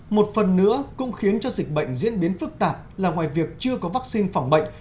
một phần nữa cũng khiến cho dịch bệnh diễn biến phức tạp là ngoài việc chưa có vaccine phòng bệnh